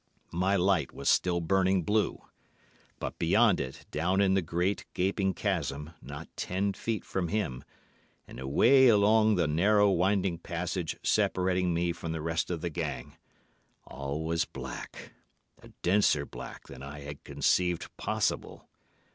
"My light was still burning blue, but beyond it, down in the great, gaping chasm, not ten feet from him, and away along the narrow, winding passage separating me from the rest of the gang, all was black—a denser black than I had conceived possible.